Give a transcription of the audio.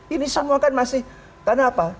ini semua kan masih karena apa